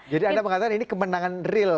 jadi anda mengatakan ini kemenangan real